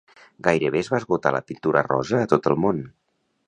gairebé es va esgotar la pintura rosa a tot el món